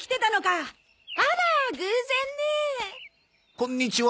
こんにちは。